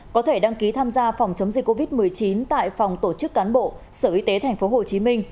có thể đăng ký tham gia phòng chống dịch covid một mươi chín tại phòng tổ chức cán bộ sở y tế tp hcm